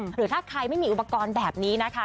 หรือถ้าใครไม่มีอุปกรณ์แบบนี้นะคะ